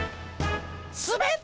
すべった！